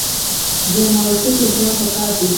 د مافوق احترام پکار دی